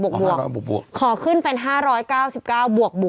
๕๖๐บวกขอขึ้นเป็น๕๙๙บวก